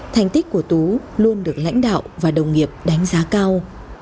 thành tích của tú luôn được lãnh đạo và đồng nghiệp đánh giá cao